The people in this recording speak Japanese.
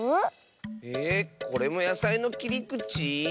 えこれもやさいのきりくち？